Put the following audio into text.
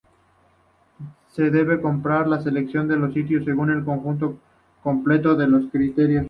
Se deben comparar y seleccionar los sitios según un conjunto completo de criterios.